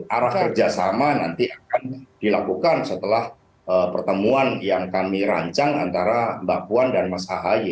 arah kerjasama nanti akan dilakukan setelah pertemuan yang kami rancang antara mbak puan dan mas ahaye